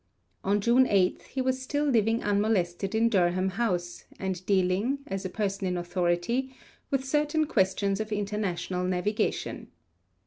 On June 8 he was still living unmolested in Durham House, and dealing, as a person in authority, with certain questions of international navigation.